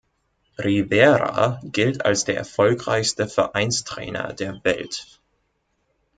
Rivera gilt als der erfolgreichste Vereinstrainer der Welt.